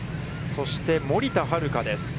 そして森田遥です。